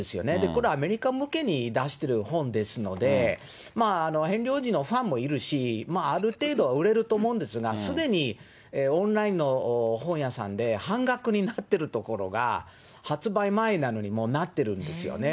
これ、アメリカ向けに出してる本ですので、ヘンリー王子のファンもいるし、ある程度売れると思うんですが、すでにオンラインの本屋さんで半額になっているところが、発売前なのにもうなってるんですよね。